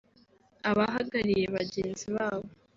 abahagariye bagenzi babo